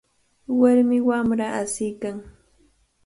Warmi wamra asiykan.